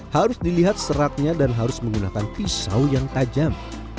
harus dilihat seratnya dan harus menggunakan pisau yang tajam